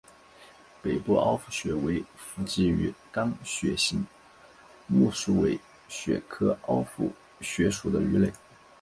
北部凹腹鳕为辐鳍鱼纲鳕形目鼠尾鳕科凹腹鳕属的鱼类。